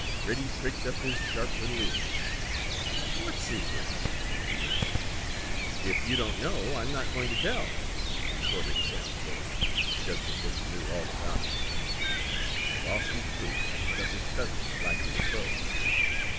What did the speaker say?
Reddy pricked up his sharp little ears. "What secret?" he demanded. "If you don't know, I'm not going to tell," retorted Sammy Jay, just as if he knew all about it, and off he flew to hunt up his cousin, Blacky the Crow.